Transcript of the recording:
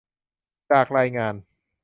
จากรายงาน